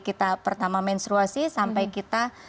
kita pertama menstruasi sampai kita